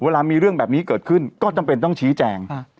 เวลามีเรื่องแบบนี้เกิดขึ้นก็จำเป็นต้องชี้แจง